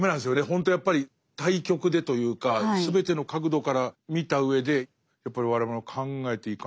ほんとやっぱり対極でというか全ての角度から見た上でやっぱり我々も考えていかないと。